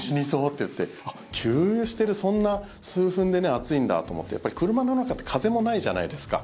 って言ってあ、給油してるそんな数分で暑いんだと思ってやっぱり車の中って風もないじゃないですか。